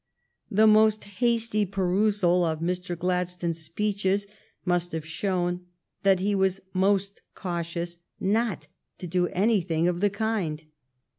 The most hasty perusal of Mr. Gladstone's speeches must have shown that he was most cautious not to do anything of the kind.